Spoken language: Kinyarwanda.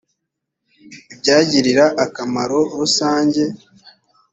ibyagirira akamaro rusange